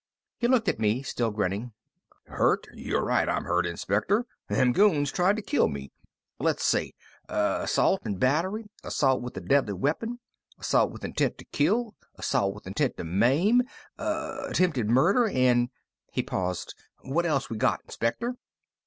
He looked at me still grinning. "Hurt? You're right I'm hurt, Inspector! Them goons tried to kill me. Let's see assault and battery, assault with a deadly weapon, assault with intent to kill, assault with intent to maim, attempted murder, and " He paused. "What else we got, Inspector?"